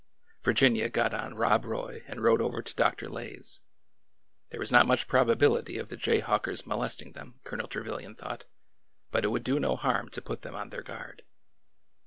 Virginia got on Rob Roy and rode over to Dr. Lay's There was not much probability of the jayhawkers mo lesting them. Colonel Trevilian thought, but it would do no harm to put them on their guard.